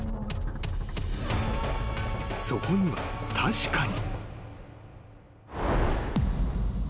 ［そこには確かに］